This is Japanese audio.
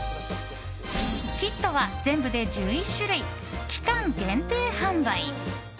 キットは全部で１１種類期間限定販売。